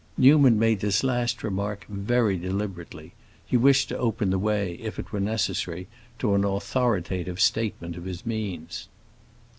Newman made this last remark very deliberately; he wished to open the way, if it were necessary, to an authoritative statement of his means.